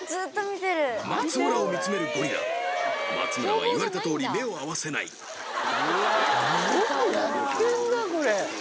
松村を見つめるゴリラ松村は言われたとおり目を合わせないよくやってんなこれ。